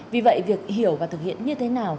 vì vậy việc hiểu và thực hiện như thế nào